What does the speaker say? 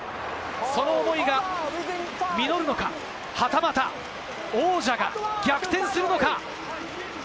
その思いが実るのか、はたまた王者が逆転するのか。